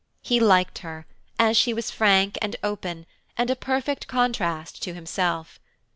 He liked her, as she was frank and open, and a perfect contrast to himself.